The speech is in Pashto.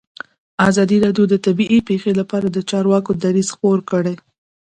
ازادي راډیو د طبیعي پېښې لپاره د چارواکو دریځ خپور کړی.